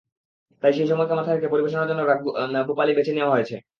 তাই সেই সময়কে মাথায় রেখে পরিবেশনার জন্য রাগ ভূপালি বেছে নেওয়া হয়েছে।